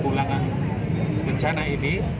penyelamatan bencana ini